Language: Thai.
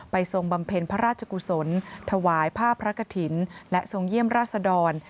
ทรงบำเพ็ญพระราชกุศลถวายผ้าพระกฐินและทรงเยี่ยมราชดร